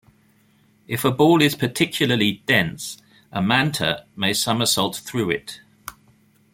If a ball is particularly dense, a manta may somersault through it.